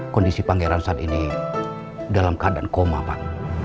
kondisi pangeran saat ini dalam keadaan koma pak